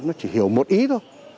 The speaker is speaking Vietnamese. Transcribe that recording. nó chỉ hiểu một ý thôi